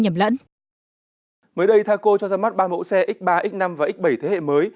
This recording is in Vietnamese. mới đây taco cho ra mắt ba mẫu xe x ba x năm và x bảy thế hệ mới